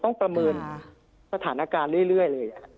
ต้องประเมินศาสถานาการเรื่อยเลย